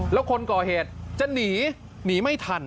แล้วคนก่อเหตุจะหนีหนีไม่ทัน